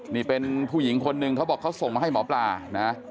นี่เป็นผู้หญิงคนหนึ่งเขาบอกเขาส่งมาให้หมอปลานะ